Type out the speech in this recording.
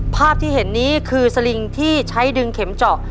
ภาพที่เห็นนี้คือสลิงที่ใช้ดึงเข็มเจาะ